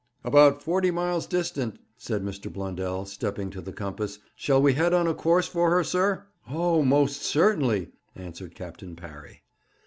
'About forty miles distant,' said Mr. Blundell, stepping to the compass. 'Shall we head on a course for her, sir?' 'Oh, most certainly!' answered Captain Parry.